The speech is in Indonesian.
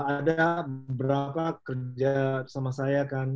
ada berapa kerja sama saya kan